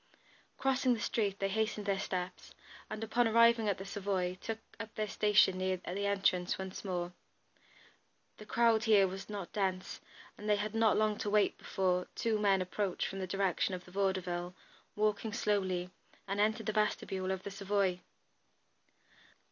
Crossing the street, they hastened their steps, and upon arriving at the Savoy, took up their station near the entrance once more. The crowd here was not dense, and they had not long to wait before two men approached from the direction of the Vaudeville, walking slowly, and entered the vestibule of the Savoy.